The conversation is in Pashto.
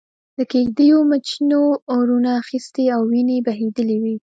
د کېږدیو مېچنو اورونه اخستي او وينې بهېدلې وې.